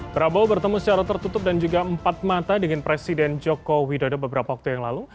prabowo bertemu secara tertutup dan juga empat mata dengan presiden joko widodo beberapa waktu yang lalu